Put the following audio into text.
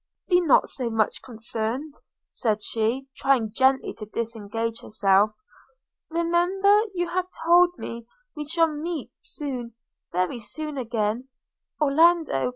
– 'Be not so much concerned,' said she, trying gently to disengage herself; 'remember you have told me we shall meet soon – very soon again: Orlando!